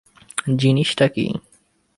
জিনিস টা কি?